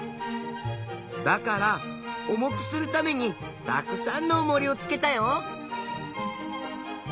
だから重くするためにたくさんのおもりをつけたよ。